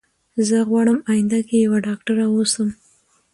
زه غواړم اينده کي يوه ډاکتره اوسم